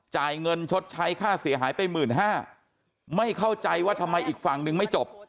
จ่ายเงินชดใช้ค่าเสียหายไปหมื่นห้าไม่เข้าใจว่าทำไมอีกฝั่งนึงไม่จบ